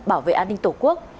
bảo vệ an ninh tổ quốc